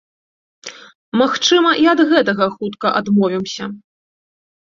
Магчыма, і ад гэтага хутка адмовімся.